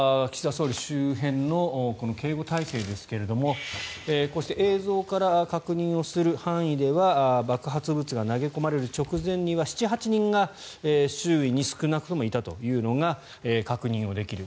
総理周辺の警護態勢ですが映像から確認をする範囲では爆発物が投げ込まれる直前には７８人が周囲に少なくともいたというのが確認できる。